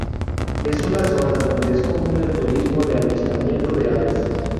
Es una zona donde es común el turismo de avistamiento de aves.